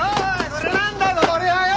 これなんだよ